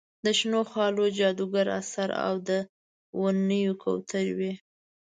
د شنو خالونو جادوګر اثر او د ونیو کوثر وي.